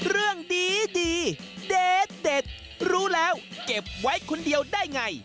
เรื่องดีเด็ดรู้แล้วเก็บไว้คนเดียวได้ไง